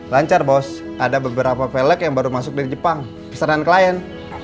lancar bos ada beberapa peleg yang baru masuk dari jepang pesanan klien